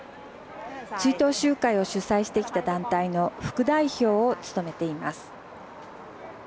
追悼集会を主催してきた団体の副代表を務めています。